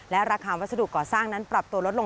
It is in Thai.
ราคาวัสดุก่อสร้างนั้นปรับตัวลดลง